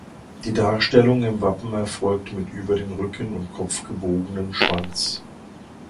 Die Darstellung im Wappen erfolgt mit über den Rücken und Kopf gebogenen Schwanz.